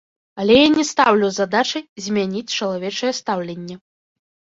Але я не стаўлю задачы змяніць чалавечае стаўленне.